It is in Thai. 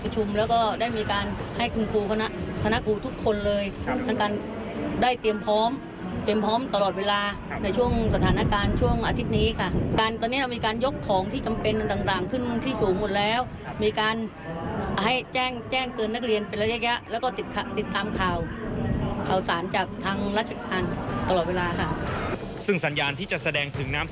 ซึ่งสัญญาณที่จะแสดงถึงน้ำท่วงพลัง